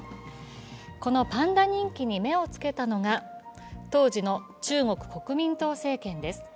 このパンダ人気に目をつけたのが当時の中国国民党政権です。